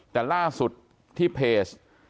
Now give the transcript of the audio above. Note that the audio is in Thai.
แต่ล่าสุดที่เพจ